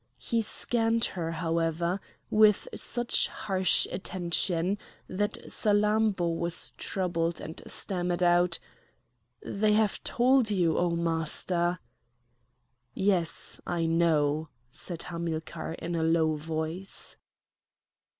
He scanned her, however, with such harsh attention, that Salammbô was troubled and stammered out: "They have told you, O Master!" "Yes! I know!" said Hamilcar in a low voice.